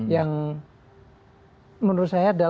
yang menurut saya dalam satu dua tahun ini